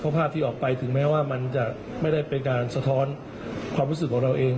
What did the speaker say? ภาพที่ออกไปถึงแม้ว่ามันจะไม่ได้เป็นการสะท้อนความรู้สึกของเราเอง